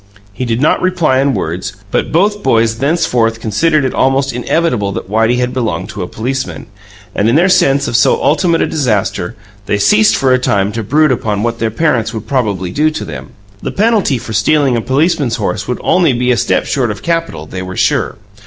He did not reply in words; but both boys thenceforth considered it almost inevitable that Whitey had belonged to a policeman, and, in their sense of so ultimate a disaster, they ceased for a time to brood upon what their parents would probably do to them. The penalty for stealing a policeman's horse would be only a step short of capital, they were sure.